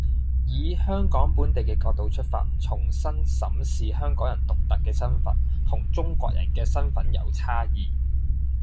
以香港本地嘅角度出發，重新審視香港人獨特嘅身份，同中國人嘅身份有差異